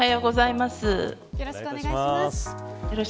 よろしくお願いします。